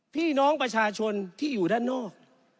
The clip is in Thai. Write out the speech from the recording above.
พี่น้องประชาชนที่อยู่ด้านนอก